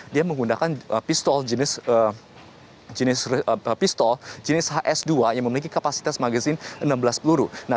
dia menggunakan pistol jenis hs dua yang memiliki kapasitas magazine enam belas peluru